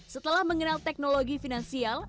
setelah mengenal teknologi finansial